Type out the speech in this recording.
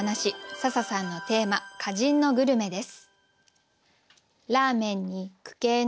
笹さんのテーマ「歌人のグルメ」です。